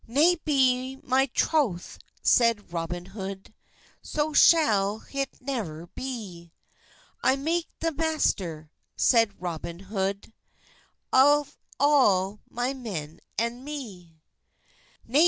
"Nay, be my trouthe," seid Robyn Hode, "So shalle hit neuer be; I make the maister," seid Robyn Hode, "Off alle my men and me."